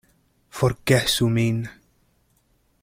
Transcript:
Forgesu min.